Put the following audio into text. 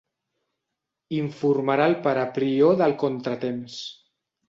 Informarà el pare prior del contratemps.